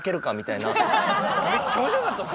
めっちゃ面白かったです！